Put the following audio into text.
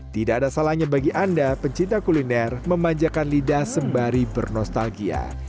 tidak ada salahnya bagi anda pencinta kuliner memanjakan lidah sembari bernostalgia